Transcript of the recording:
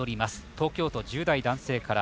東京都１０代男性から。